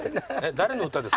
誰の歌ですか？